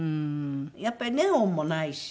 やっぱりネオンもないし。